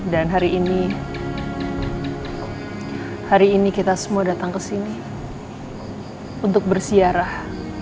dan hari ini hari ini kita semua datang ke sini untuk bersiarah